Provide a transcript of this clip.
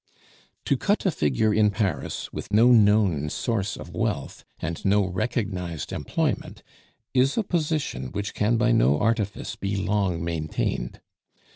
To cut a figure in Paris with no known source of wealth and no recognized employment is a position which can by no artifice be long maintained.